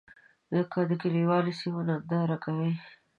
که د کلیوالي سیمو ننداره کوې.